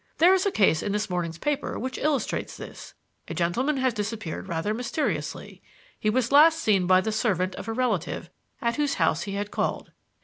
There is a case in this morning's paper which illustrates this. A gentleman has disappeared rather mysteriously. He was last seen by the servant of a relative at whose house he had called.